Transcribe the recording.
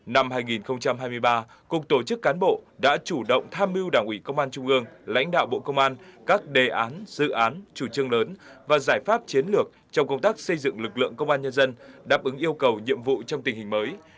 năm hai nghìn hai mươi ba cục tổ chức cán bộ đã chủ động tham mưu đảng ủy công an trung ương lãnh đạo bộ công an các đề án dự án chủ trương lớn và giải pháp chiến lược trong công tác xây dựng lực lượng công an nhân dân đáp ứng yêu cầu nhiệm vụ trong tình hình mới